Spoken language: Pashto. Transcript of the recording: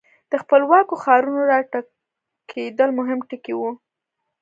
د خپلواکو ښارونو را ټوکېدل مهم ټکي وو.